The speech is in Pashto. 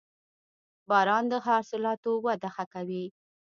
• باران د حاصلاتو وده ښه کوي.